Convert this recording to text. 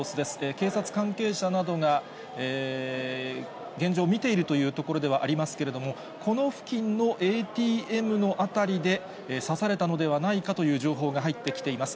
警察関係者などが、現状、見ているところではありますが、この付近のＡＴＭの辺りで刺されたのではないかという情報が入ってきています。